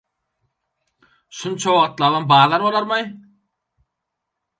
– Şunça wagtlabam bazar bolarm-aý?